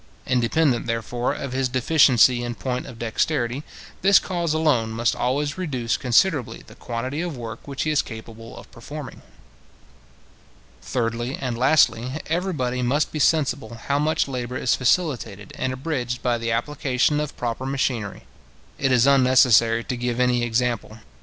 Independent, therefore, of his deficiency in point of dexterity, this cause alone must always reduce considerably the quantity of work which he is capable of performing. Thirdly, and lastly, everybody must be sensible how much labour is facilitated and abridged by the application of proper machinery. It is unnecessary to give any example.